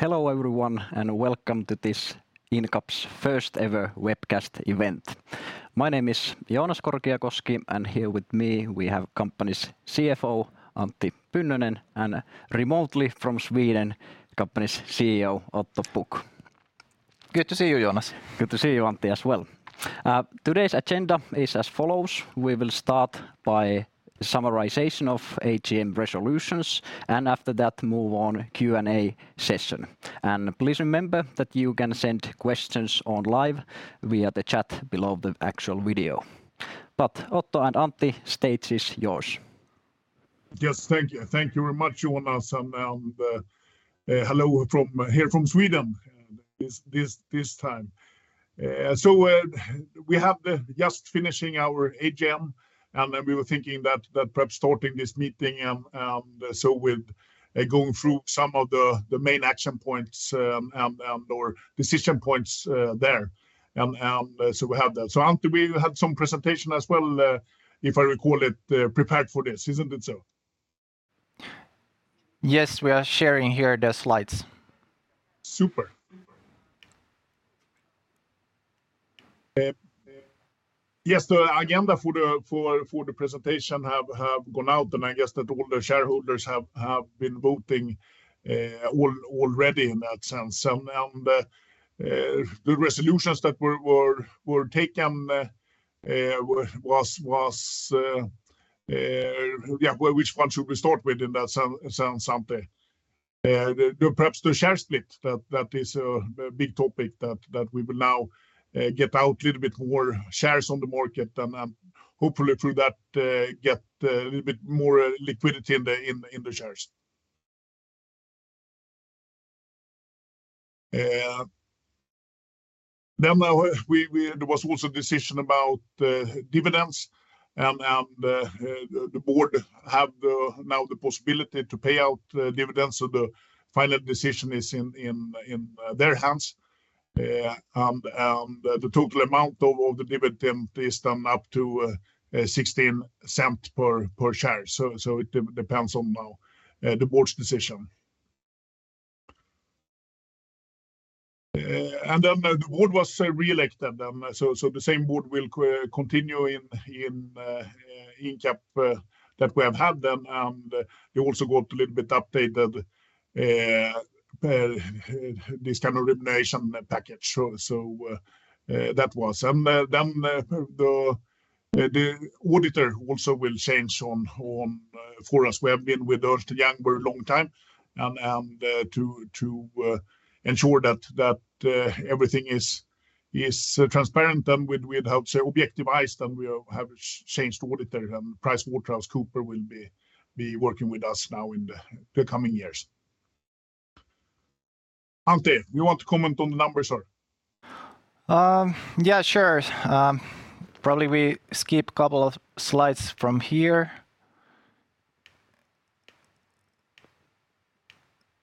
Hello, everyone, and welcome to this Incap's first ever webcast event. My name is Joonas Korkiakoski, and here with me we have company's CFO, Antti Pynnönen, and remotely from Sweden, company's CEO, Otto Pukk. Good to see you, Jonas. Good to see you, Antti, as well. Today's agenda is as follows: we will start by summarization of AGM resolutions, and after that move on Q&A session. Please remember that you can send questions online via the chat below the actual video. Otto and Antti, stage is yours. Yes. Thank you. Thank you very much, Joonas, and hello from here from Sweden this time. We have just finished our AGM, and then we were thinking that perhaps starting this meeting with going through some of the main action points and/or decision points there, so we have that. Antti will have some presentation as well, if I recall it prepared for this, isn't it so? Yes. We are sharing here the slides. Super. Yes, the agenda for the presentation have gone out, and I guess that all the shareholders have been voting already in that sense. The resolutions that were taken. Yeah, well, which one should we start with in that sense? Perhaps the share split that is a big topic that we will now get out a little bit more shares on the market and hopefully through that get a little bit more liquidity in the shares. Then now we... There was a decision about dividends and the board has now the possibility to pay out dividends so the final decision is in their hands. The total amount of the dividend is then up to 0.16 per share. It depends on now the board's decision. The board was re-elected, the same board will continue in Incap that we have had then, and they also got a little bit updated this kind of remuneration package. That was. The auditor also will change on. For us, we have been with Ernst & Young very long time and to ensure that everything is transparent then with how it will be advised, then we have changed auditor. PricewaterhouseCoopers will be working with us now in the coming years. Antti, you want to comment on the numbers or? Yeah, sure. Probably we skip couple of slides from here.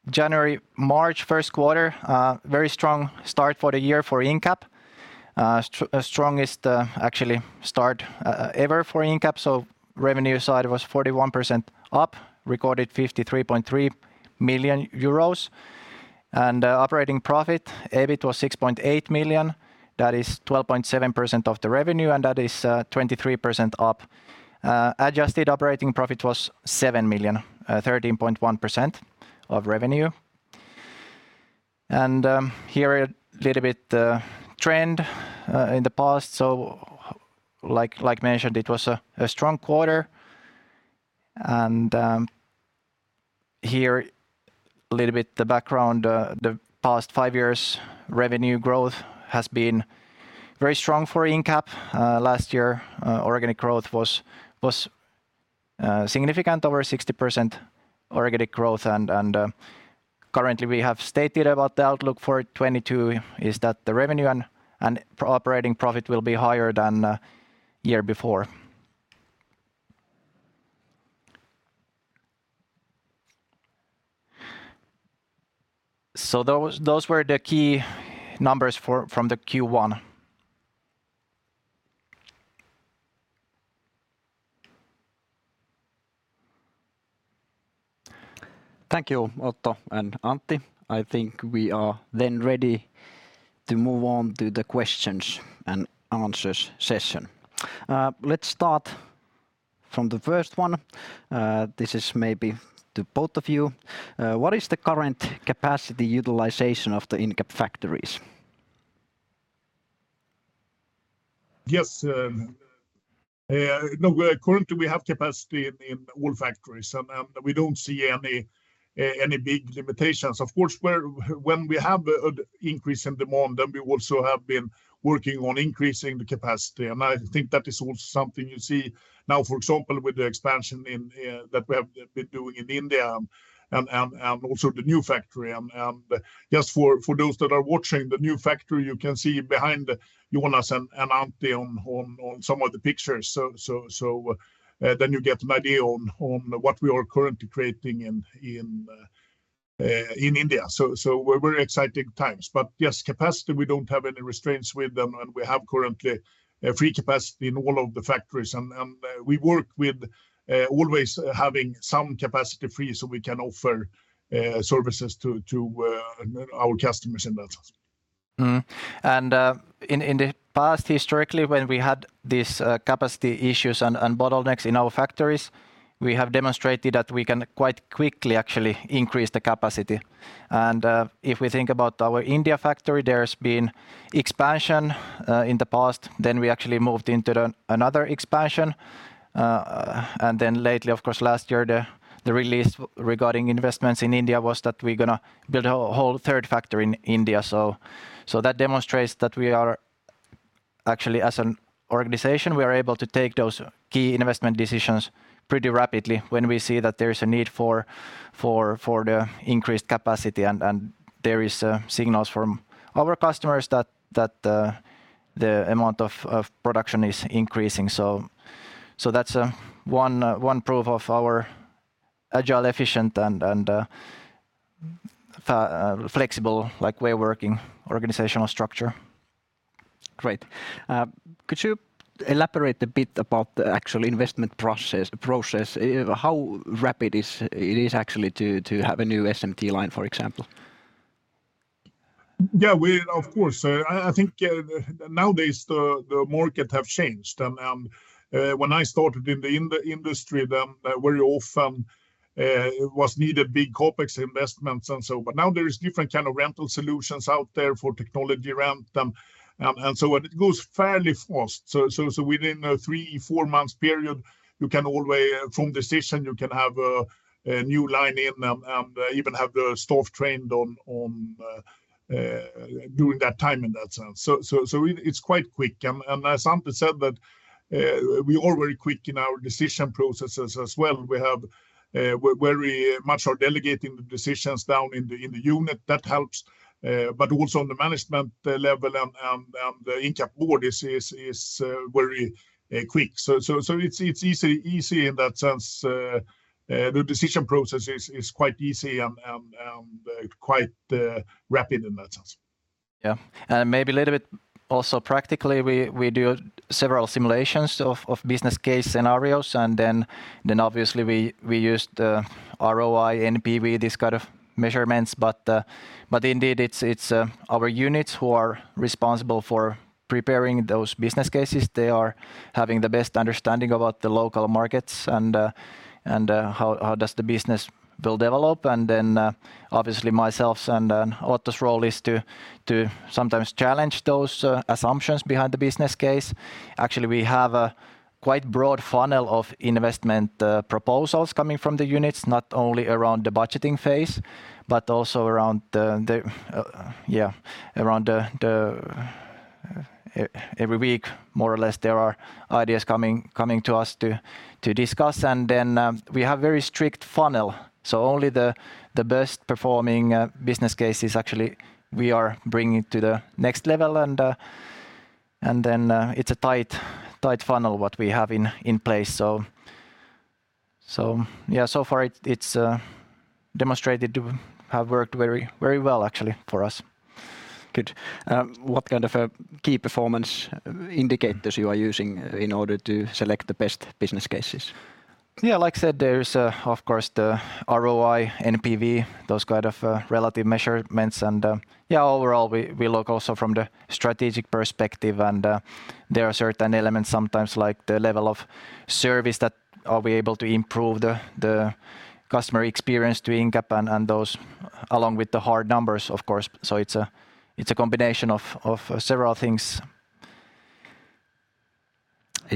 January, March, Q1, very strong start for the year for Incap. Strongest, actually, start ever for Incap, so revenue side was 41% up, recorded 53.3 million euros. Operating profit, EBIT was 6.8 million. That is 12.7% of the revenue, and that is 23% up. Adjusted operating profit was 7 million, 13.1% of revenue. Here a little bit trend in the past, so like mentioned, it was a strong quarter. Here a little bit the background. The past five years revenue growth has been very strong for Incap. Last year, organic growth was significant, over 60% organic growth and currently we have stated about the outlook for 2022 is that the revenue and operating profit will be higher than year before. Those were the key numbers from the Q1. Thank you, Otto and Antti. I think we are then ready to move on to the questions and answers session. Let's start from the first one. This is maybe to both of you. What is the current capacity utilization of the Incap factories? Yes. No, we currently have capacity in all factories and we don't see any big limitations. Of course, when we have increase in demand, then we also have been working on increasing the capacity, and I think that is also something you see now, for example, with the expansion in that we have been doing in India and also the new factory. Just for those that are watching, the new factory you can see behind Joonas and Antti on some of the pictures, so then you get an idea on what we are currently creating in India. These are very exciting times, but just capacity we don't have any constraints with, and we have currently free capacity in all of the factories, and we work with always having some capacity free so we can offer services to our customers in that sense. In the past historically when we had these capacity issues and bottlenecks in our factories, we have demonstrated that we can quite quickly actually increase the capacity. If we think about our India factory, there's been expansion in the past, then we actually moved into another expansion. Lately of course last year the release regarding investments in India was that we're gonna build a whole third factory in India. That demonstrates that we are actually as an organization, we are able to take those key investment decisions pretty rapidly when we see that there's a need for the increased capacity and there is signals from our customers that the amount of production is increasing. That's one proof of our agile, efficient and flexible like way of working organizational structure. Great. Could you elaborate a bit about the actual investment process? How rapid is it actually to have a new SMT line for example? Yeah. Of course. I think nowadays the market have changed and when I started in the industry then very often it was needed big CapEx investments and so but now there is different kind of rental solutions out there for technology rent and so it goes fairly fast. Within a three to four months period, you can always from decision you can have a new line in and even have the staff trained on during that time in that sense. It's quite quick and as Antti said that we are very quick in our decision processes as well. We have very much are delegating the decisions down in the unit that helps but also on the management level and the Incap board is very quick. It's easy in that sense. The decision process is quite easy and quite rapid in that sense. Yeah. Maybe a little bit also practically we do several simulations of business case scenarios and then obviously we use the ROI, NPV, these kind of measurements, but indeed it's our units who are responsible for preparing those business cases. They are having the best understanding about the local markets and how does the business will develop and then obviously myself and Otto's role is to sometimes challenge those assumptions behind the business case. Actually we have a quite broad funnel of investment proposals coming from the units, not only around the budgeting phase but also around every week more or less there are ideas coming to us to discuss and then we have very strict funnel, so only the best performing business cases actually we are bringing to the next level and then it's a tight funnel what we have in place. Yeah, so far it's demonstrated to have worked very well actually for us. Good. What kind of key performance indicators you are using in order to select the best business cases? Yeah. Like I said, there's of course the ROI, NPV, those kind of relative measurements and, yeah, overall we look also from the strategic perspective and, there are certain elements sometimes like the level of service that we are able to improve the customer experience at Incap and those along with the hard numbers of course. It's a combination of several things.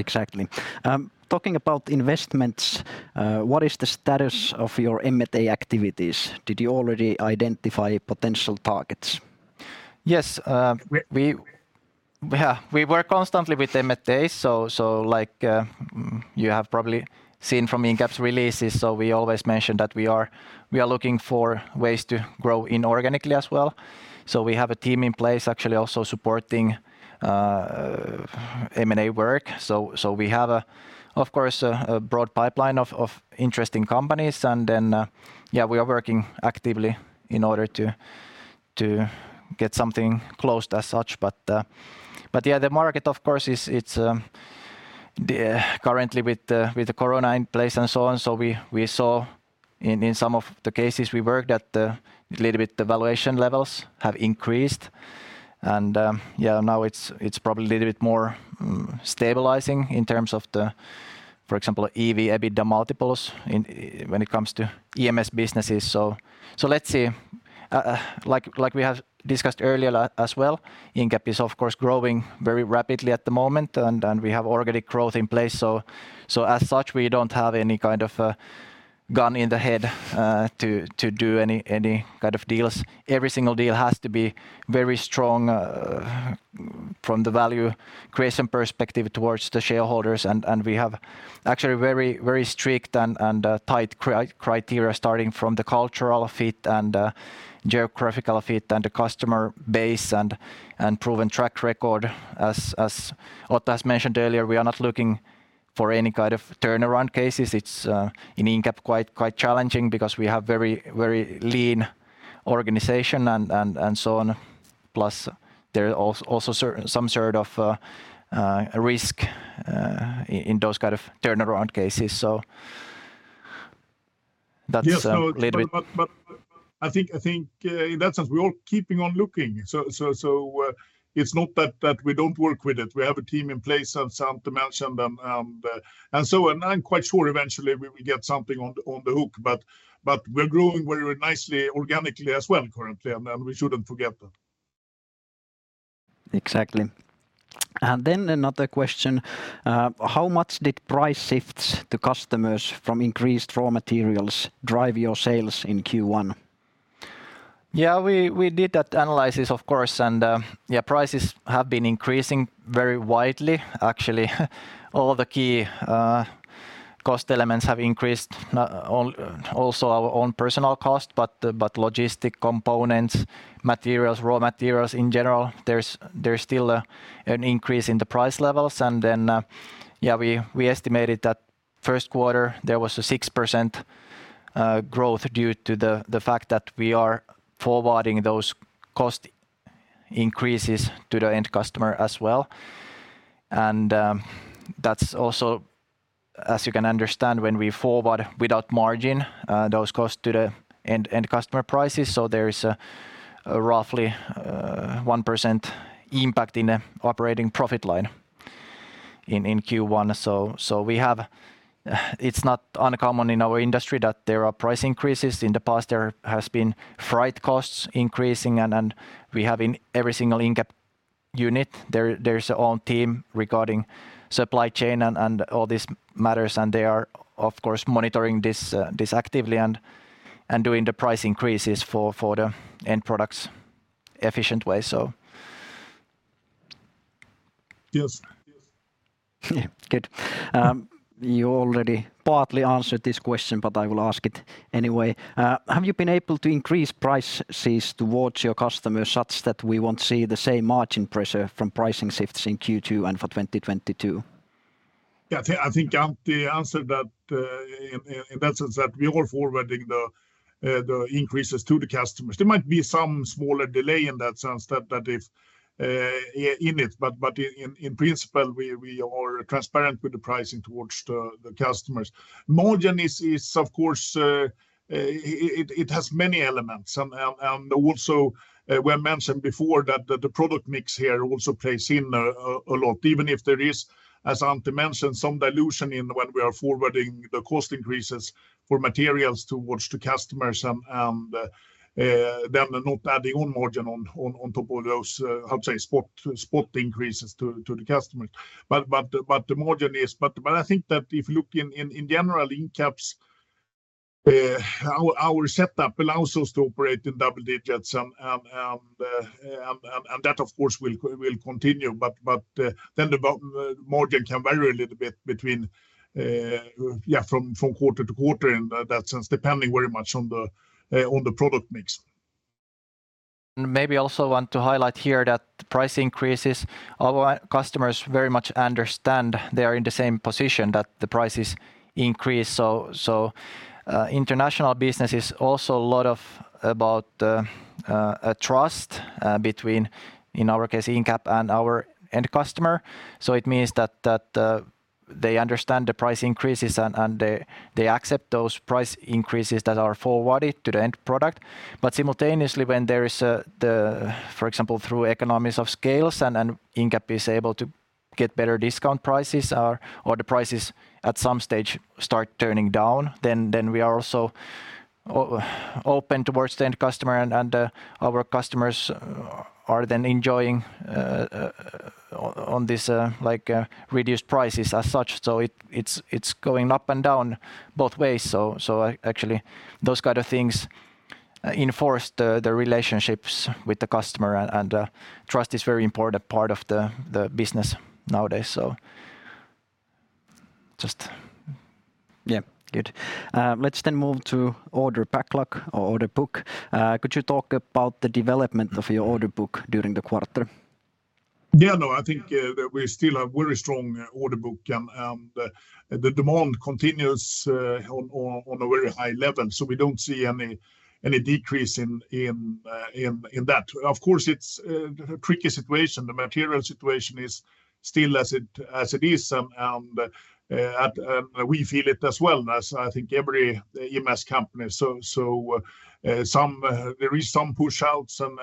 Exactly. Talking about investments, what is the status of your M&A activities? Did you already identify potential targets? Yes. We work constantly with M&A, so like, you have probably seen from Incap's releases, so we always mention that we are looking for ways to grow inorganically as well. We have a team in place actually also supporting M&A work, so we have, of course, a broad pipeline of interesting companies and then, yeah, we are working actively in order to get something closed as such. Yeah, the market of course is currently with the corona in place and so on, so we saw in some of the cases we worked at, little bit the valuation levels have increased and, yeah, now it's probably a little bit more stabilizing in terms of the, for example, EV/EBITDA multiples when it comes to EMS businesses. Let's see. Like we have discussed earlier a lot as well, Incap is of course growing very rapidly at the moment and we have organic growth in place, so as such we don't have any kind of gun to the head to do any kind of deals. Every single deal has to be very strong from the value creation perspective towards the shareholders and we have actually very strict tight criteria starting from the cultural fit and geographical fit and the customer base and proven track record. As Otto has mentioned earlier, we are not looking for any kind of turnaround cases. It's in Incap quite challenging because we have very lean organization and so on. Plus there are also some sort of risk in those kind of turnaround cases. That's. Yes a little bit. I think in that sense we're all keeping on looking. It's not that we don't work with it. We have a team in place, as Antti mentioned, and I'm quite sure eventually we will get something on the hook. We're growing very nicely organically as well currently, and we shouldn't forget that. Exactly. Another question. How much did price shifts to customers from increased raw materials drive your sales in Q1? Yeah. We did that analysis, of course, and yeah, prices have been increasing very widely actually. All the key cost elements have increased, also our own personnel costs, but logistics, components, materials, raw materials in general there's still an increase in the price levels. We estimated that Q1 there was a 6% growth due to the fact that we are forwarding those cost increases to the end customer as well. That's also, as you can understand, when we forward without margin those costs to the end customer prices, so there is a roughly 1% impact in the operating profit line in Q1. It's not uncommon in our industry that there are price increases. In the past there has been freight costs increasing and we have in every single Incap unit there. There's our own team regarding supply chain and all this matters, and they are, of course, monitoring this actively and doing the price increases for the end products efficient way. Yes. Yes. Yeah. Good. You already partly answered this question. I will ask it anyway. Have you been able to increase prices towards your customers such that we won't see the same margin pressure from pricing shifts in Q2 and for 2022? Yeah. I think Antti answered that in that sense that we are forwarding the increases to the customers. There might be some smaller delay in that sense that if in it, but in principle we are transparent with the pricing towards the customers. Margin is of course it has many elements. And also we mentioned before that the product mix here also plays in a lot even if there is, as Antti mentioned, some dilution in when we are forwarding the cost increases for materials towards the customers and then not adding on margin on top of those. I would say spot increases to the customers. The margin is... I think that if you look in general, Incap's our setup allows us to operate in double digits and that of course will continue. The margin can vary a little bit from quarter to quarter in that sense depending very much on the product mix. Maybe also want to highlight here that the price increases our customers very much understand. They are in the same position that the prices increase. International business is also a lot about a trust between, in our case Incap, and our end customer. It means that they understand the price increases and they accept those price increases that are forwarded to the end product. Simultaneously, when there is, for example, through economies of scale and Incap is able to get better discount prices or the prices at some stage start turning down, then we are also open towards the end customer and our customers are then enjoying on this, like, reduced prices as such. It's going up and down both ways. Actually those kind of things enforce the relationships with the customer and trust is very important part of the business nowadays. Yeah. Good. Let's move to order backlog or order book. Could you talk about the development of your order book during the quarter? Yeah. No, I think that we still have very strong order book and the demand continues on a very high level, so we don't see any decrease in that. Of course, it's a tricky situation. The material situation is still as it is, and we feel it as well as I think every EMS company. So, there is some push outs and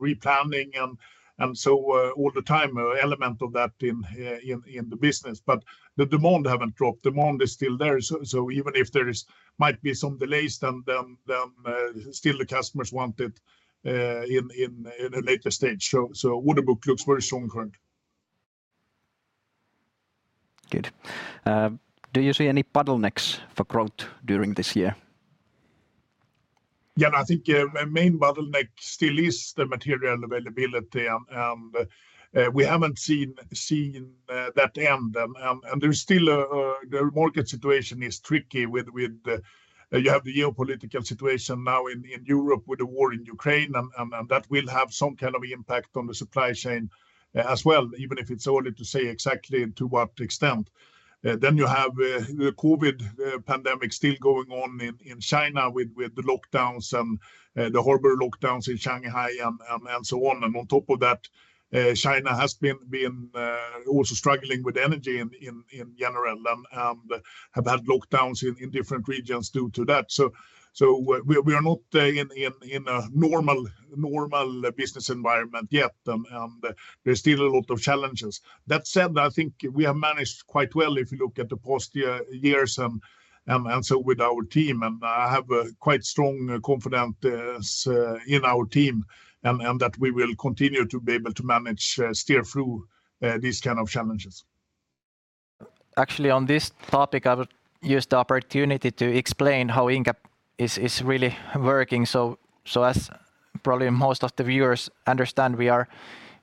replanning and so all the time element of that in the business. But the demand haven't dropped. Demand is still there. So, even if there might be some delays then, still the customers want it in a later stage. So order book looks very strong currently. Good. Do you see any bottlenecks for growth during this year? Yeah, I think yeah, a main bottleneck still is the material availability and we haven't seen that end. There's still. The market situation is tricky with you have the geopolitical situation now in Europe with the war in Ukraine and that will have some kind of impact on the supply chain as well even if it's early to say exactly to what extent. Then you have the COVID pandemic still going on in China with the lockdowns and the horrible lockdowns in Shanghai and so on. On top of that, China has been also struggling with energy in general and have had lockdowns in different regions due to that. We are not in a normal business environment yet and there's still a lot of challenges. That said, I think we have managed quite well if you look at the past years and so with our team. I have a quite strong confidence in our team and that we will continue to be able to manage steer through these kind of challenges. Actually on this topic I will use the opportunity to explain how Incap is really working. As probably most of the viewers understand, we are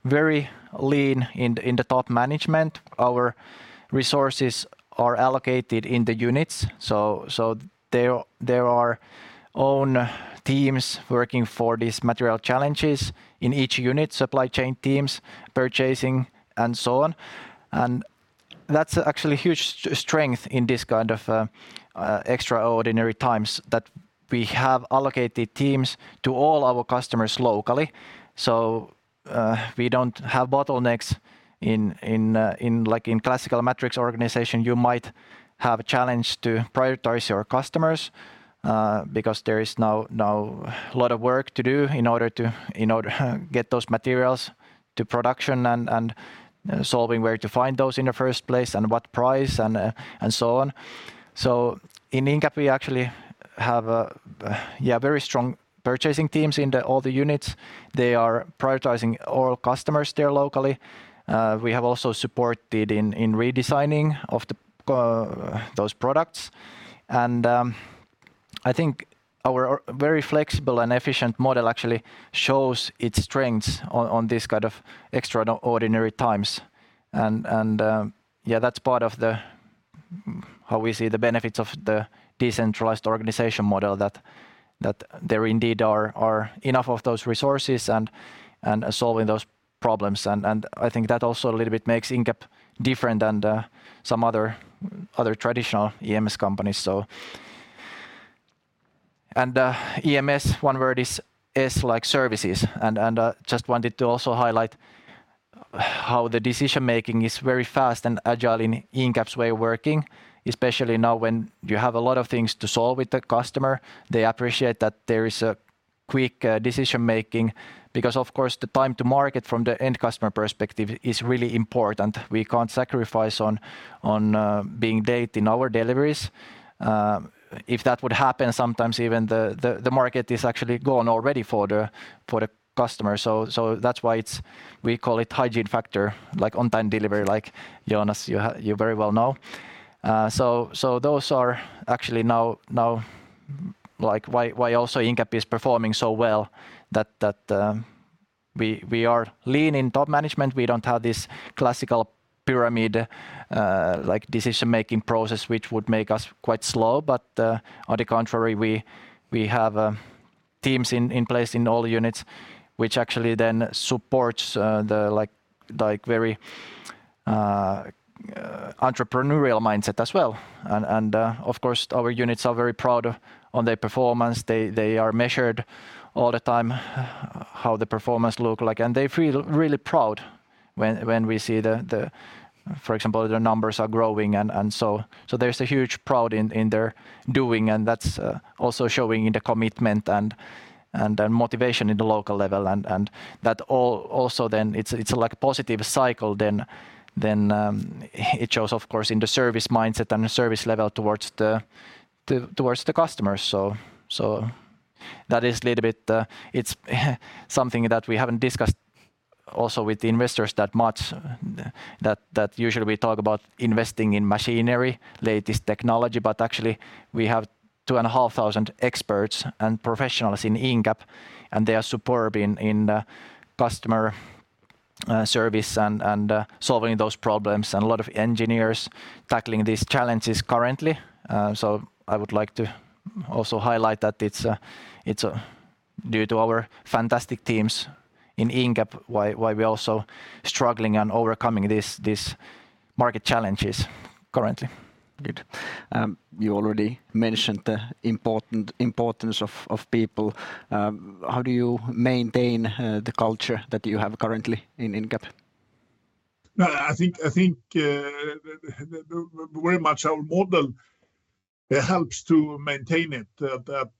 very lean in the top management. Our resources are allocated in the units so there are own teams working for these material challenges in each unit, supply chain teams, purchasing and so on. That's actually a huge strength in this kind of extraordinary times that we have allocated teams to all our customers locally, so we don't have bottlenecks in. Like in classical matrix organization you might have a challenge to prioritize your customers, because there is now a lot of work to do in order to get those materials to production and solving where to find those in the first place and what price and so on. In Incap we actually have, yeah, very strong purchasing teams in all the units. They are prioritizing all customers there locally. We have also supported in redesigning of those products. I think our very flexible and efficient model actually shows its strengths on this kind of extraordinary times and, yeah, that's part of how we see the benefits of the decentralized organization model that there indeed are enough of those resources and solving those problems. I think that also a little bit makes Incap different than some other traditional EMS companies. EMS, one word is S-like services. Just wanted to also highlight how the decision making is very fast and agile in Incap's way of working, especially now when you have a lot of things to solve with the customer. They appreciate that there is a quick decision making because of course the time to market from the end customer perspective is really important. We can't sacrifice on being late in our deliveries. If that would happen, sometimes even the market is actually gone already for the customer. That's why it's. We call it hygiene factor, like on time delivery like, Joonas, you very well know. Those are actually now like why also Incap is performing so well that we are lean in top management. We don't have this classical pyramid like decision making process which would make us quite slow. On the contrary we have teams in place in all units which actually then supports the like very entrepreneurial mindset as well. Of course our units are very proud of on their performance. They are measured all the time how the performance look like. They feel really proud when we see the for example the numbers are growing and so. There's a huge pride in their doing and that's also showing in the commitment and motivation in the local level. That also then it's like positive cycle then, it shows of course in the service mindset and the service level towards the customers. that is a little bit, it's something that we haven't discussed also with the investors that much, that usually we talk about investing in machinery, latest technology, but actually we have 2,500 experts and professionals in Incap and they are superb in customer service and solving those problems. A lot of engineers tackling these challenges currently. I would like to also highlight that it's due to our fantastic teams in Incap why we're also struggling and overcoming this market challenges currently. Good. You already mentioned the important importance of people. How do you maintain the culture that you have currently in Incap? Well, I think very much our model helps to maintain it, that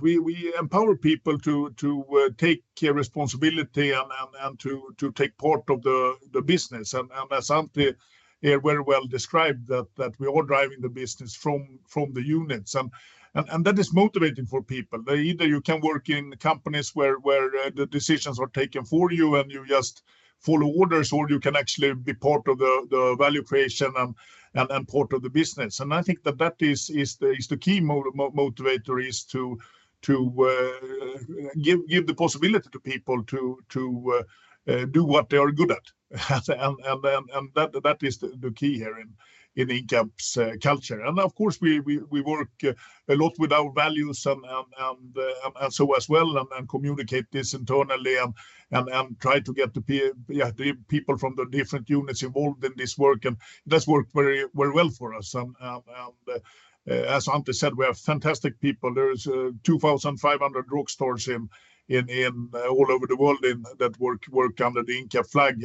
we empower people to take responsibility and to take part of the business. As Antti here very well described, that we're all driving the business from the units and that is motivating for people. There, either you can work in companies where the decisions are taken for you and you just follow orders or you can actually be part of the value creation and part of the business. I think that is the key motivator is to give the possibility to people to do what they are good at. That is the key here in Incap's culture. Of course we work a lot with our values and so as well and communicate this internally and try to get the people from the different units involved in this work, and it does work very well for us. As Antti said, we have fantastic people. There is 2,500 rock stars all over the world and that work under the Incap flag.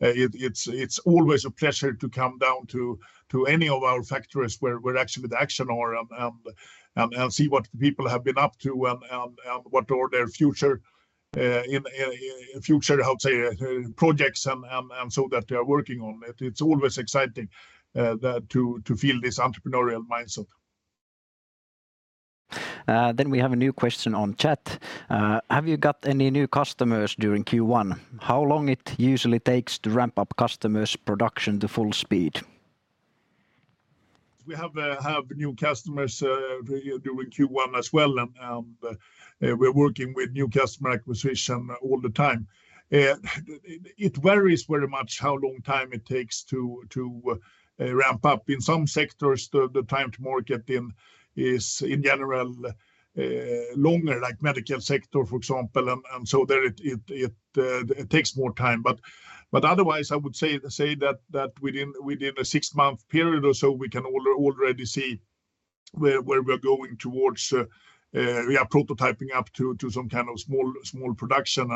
It's always a pleasure to come down to any of our factories where the action is and see what the people have been up to and what their future projects are and the sort of projects they are working on. It's always exciting to feel this entrepreneurial mindset. We have a new question on chat. Have you got any new customers during Q1? How long it usually takes to ramp up customers' production to full speed? We have new customers during Q1 as well, and we're working with new customer acquisition all the time. It varies very much how long time it takes to ramp up. In some sectors, the time to market is in general longer like medical sector, for example. It takes more time. Otherwise, I would say that within a six-month period or so, we can already see where we're going towards. We are prototyping up to some kind of small production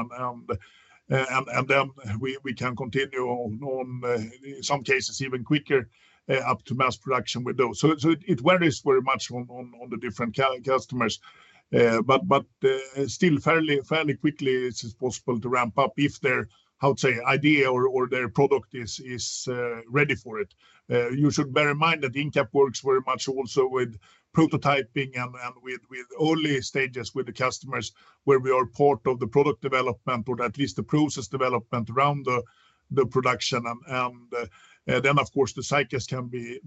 and then we can continue on in some cases even quicker up to mass production with those. It varies very much on the different customers. Still fairly quickly it's possible to ramp up if their, how to say, idea or their product is ready for it. You should bear in mind that Incap works very much also with prototyping and with early stages with the customers where we are part of the product development or at least the process development around the production. Then of course the cycles can be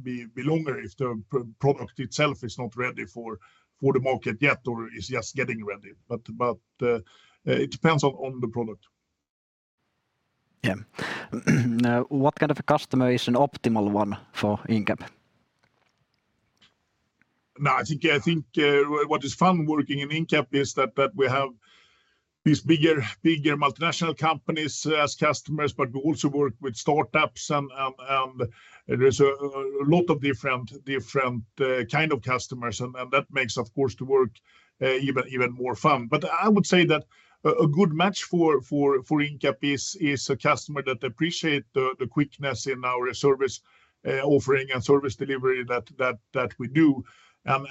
longer if the product itself is not ready for the market yet or is just getting ready. It depends on the product. Yeah. What kind of a customer is an optimal one for Incap? No, I think what is fun working in Incap is that we have these bigger multinational companies as customers, but we also work with startups and there's a lot of different kind of customers and that makes of course the work even more fun. I would say that a good match for Incap is a customer that appreciate the quickness in our service offering and service delivery that we do and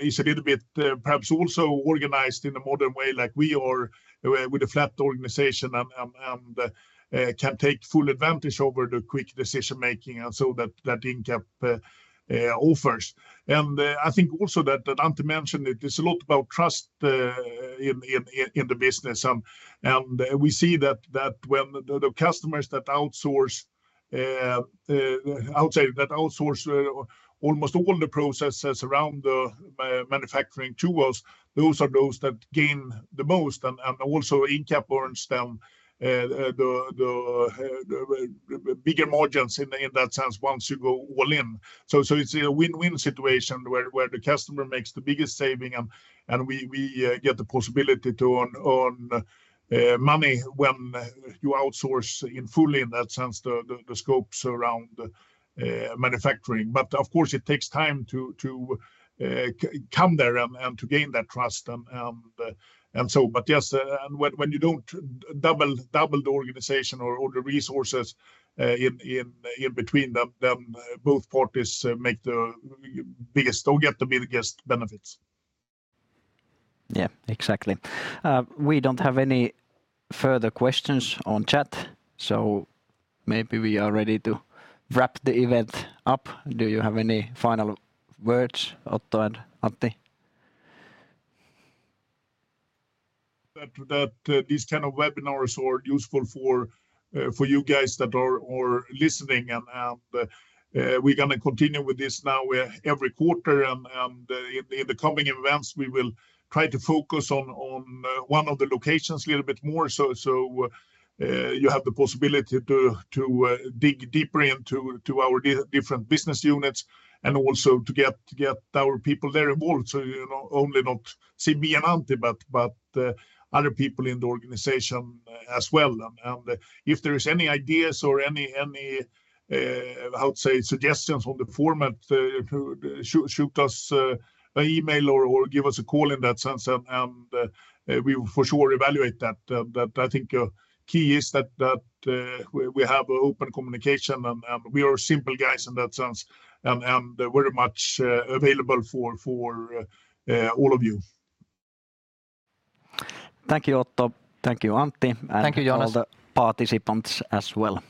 is a little bit perhaps also organized in a modern way like we are with a flat organization and can take full advantage over the quick decision-making and so that Incap offers. I think also that Antti mentioned it's a lot about trust in the business. We see that when the customers that outsource almost all the processes around the manufacturing to us, those that gain the most. Also Incap earns them the bigger margins in that sense once you go all in. It's a win-win situation where the customer makes the biggest saving and we get the possibility to earn money when you outsource fully in that sense the scopes around the manufacturing. Of course it takes time to come there and to gain that trust and so, but yes, and when you don't double the organization or all the resources, in between them, both parties make the biggest or get the biggest benefits. Yeah, exactly. We don't have any further questions on chat, so maybe we are ready to wrap the event up. Do you have any final words, Otto and Antti? These kind of webinars are useful for you guys that are listening and we're gonna continue with this now every quarter. In the coming events, we will try to focus on one of the locations a little bit more so you have the possibility to dig deeper into our different business units and also to get our people there involved so you know not only see me and Antti but other people in the organization as well. If there is any ideas or suggestions on the format, shoot us an email or give us a call in that sense and we will for sure evaluate that. I think key is that we have open communication and we are simple guys in that sense and very much available for all of you. Thank you, Otto. Thank you, Antti. Thank you, Joonas. All the participants as well.